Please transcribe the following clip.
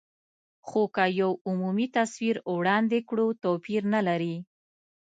خو که یو عمومي تصویر وړاندې کړو، توپیر نه لري.